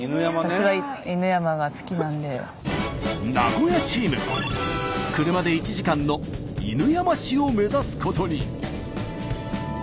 名古屋チーム車で１時間の犬山市を目指すことに。